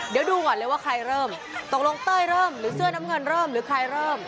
เดี๋ยวดูก่อนเลยว่าใครเริ่มตกลงเต้ยเริ่มหรือเสื้อน้ำเงินเริ่มหรือใครเริ่ม